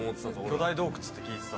巨大洞窟って聞いてたんで。